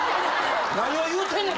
何を言うてんねん？